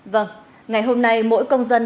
vâng ngày hôm nay mỗi công dân